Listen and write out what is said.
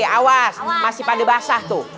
awas masih pada basah tuh